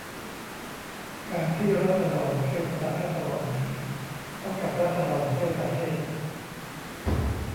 การที่ราษฎรช่วยคณะราษฎรนี้ เท่ากับราษฎรช่วยประเทศ